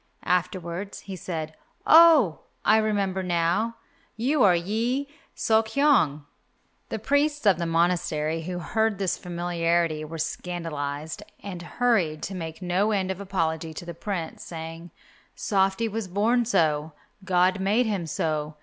Afterwards he said, "Oh, I remember now, you are Yi Sok hyong." The priests of the monastery who heard this familiarity were scandalized, and hurried to make no end of apology to the Prince, saying, "Softy was born so, God made him so.